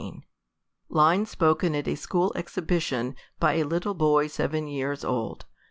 Lines spoken at a School Exhibition, by a lit tle Boy SEVEN Years old.